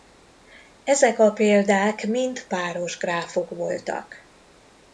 Ezek a példák mind páros gráfok voltak.